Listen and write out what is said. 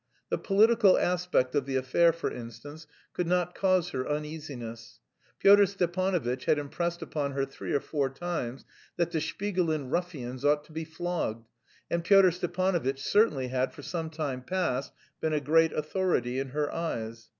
The political aspect of the affair, for instance, could not cause her uneasiness; Pyotr Stepanovitch had impressed upon her three or four times that the Shpigulin ruffians ought to be flogged, and Pyotr Stepanovitch certainly had for some time past been a great authority in her eyes.